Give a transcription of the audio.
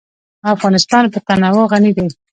افغانستان په تنوع غني دی.